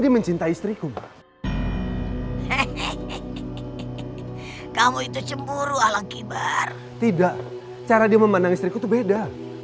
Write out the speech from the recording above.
dia mencinta istriku kamu itu cemburu alang kibar tidak cara dia memandang istriku beda